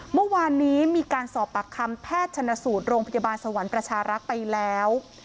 เมื่อวานนี้มีการสอบปากคำแพทย์ชนสูตรโรงพยาบาลสวรรค์ประชารักษ์ไปแล้ว